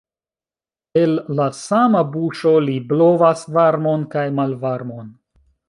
El la sama buŝo li blovas varmon kaj malvarmon.